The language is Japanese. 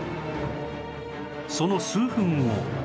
その数分後